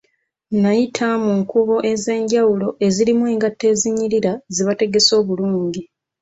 Nayita mu nkuubo ezenjawulo ezirimu engatto ezinyirira zebategese obulungi.